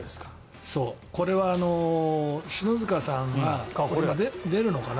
これは篠塚さんが出るのかな？